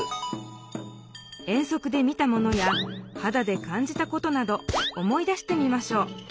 遠足で見たものやはだでかんじたことなど思い出してみましょう。